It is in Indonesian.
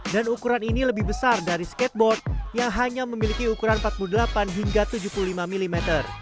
dan ukuran ini lebih besar dari skateboard yang hanya memiliki ukuran empat puluh delapan hingga tujuh puluh lima mm